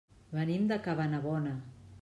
Venim de Cabanabona.